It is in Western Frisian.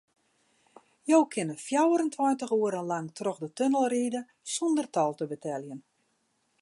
Jo kinne fjouwerentweintich oere lang troch de tunnel ride sûnder tol te beteljen.